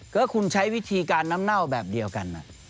ก็คุณใช้วิธีการน้ำเน่าแบบเดียวกัน